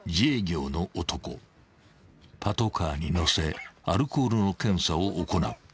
［パトカーに乗せアルコールの検査を行う］